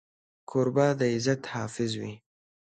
کوربه د عزت حافظ وي.